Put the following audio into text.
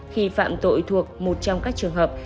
khi phạm tội thuộc một trong các trường hợp